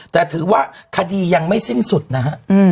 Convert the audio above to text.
แต่ถือว่าคดียังไม่สิ้นสุดนะฮะ